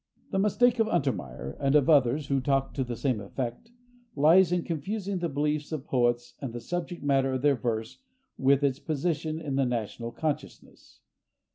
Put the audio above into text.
The mistake of Untermeyer, and of others who talk to the same effect, lies in confusing the beliefs of poets and the subject matter of their verse with its position in the national consciousness.